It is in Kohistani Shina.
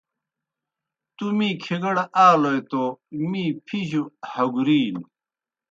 تُو می کِھگَڑ آلوئے توْ می پِھجوْ ہگُرِینوْ۔